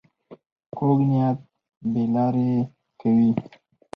کوږ نیت بې لارې کوي